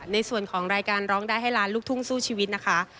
ในส่วนของรายการร้องได้ให้ล้านลูกทุ่งสู้ชีวิตนะคะ